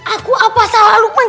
aku apa salah lukman